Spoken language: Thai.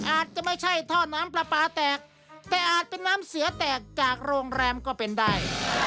อาจจะไม่ใช่ท่อน้ำปลาปลาแตกแต่อาจเป็นน้ำเสียแตกจากโรงแรมก็เป็นได้